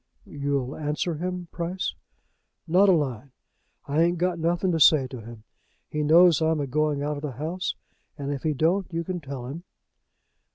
"You'll answer him, Price?" "Not a line. I ain't got nothing to say to him. He knows I'm a going out of the house; and if he don't, you can tell him."